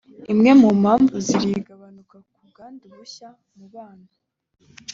Imwe mu mpamvu z’iri gabanuka ku bwandu bushya mu bana